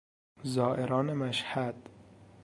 زائران مشهد